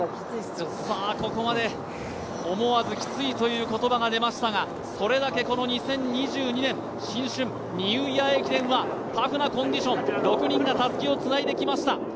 ここまで、思わず「きつい」という言葉が出ましたがそれだけこの２０２２年新春ニューイヤー駅伝はタフなコンディション、６人がたすきをつないできました。